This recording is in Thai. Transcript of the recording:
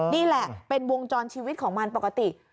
นี่แหละเป็นวงจรชีวิตของมันปกติ